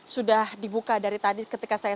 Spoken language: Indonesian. sudah dibuka dari tadi ketika saya